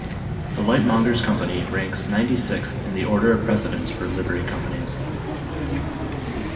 The Lightmongers' Company ranks ninety-sixth in the order of precedence for Livery Companies.